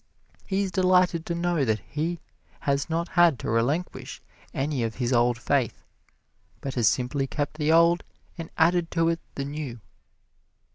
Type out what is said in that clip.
He is delighted to know that he has not had to relinquish any of his old faith, but has simply kept the old and added to it the new.